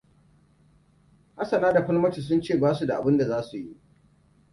Hassana da Falmata sun ce ba su da abin da za su yi.